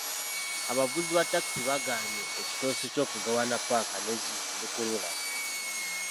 Abavuzi ba takisi bagaanye ekiteeso ky'okugabana paaka ne zi lukululana.